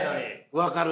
分かる。